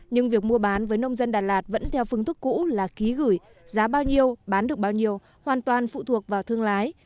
nhưng việc mua bán với nông dân đà lạt vẫn theo phương thức cũ là ký gửi giá bao nhiêu bán được bao nhiêu hoàn toàn phụ thuộc vào thương lái